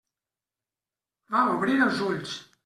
Va obrir els ulls.